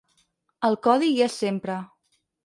El codi hi és sempre.